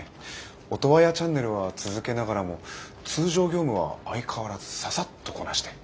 オトワヤチャンネルは続けながらも通常業務は相変わらずササッとこなして。